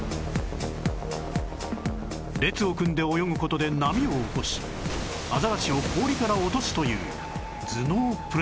列を組んで泳ぐ事で波を起こしアザラシを氷から落とすという頭脳プレー